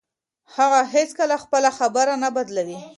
هغه هیڅکله خپله خبره نه بدلوي.